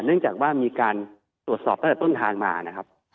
เนื่องจากว่ามีการตรวจสอบตั้งแต่ต้นทางมานะครับ